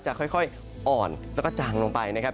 ค่อยอ่อนแล้วก็จางลงไปนะครับ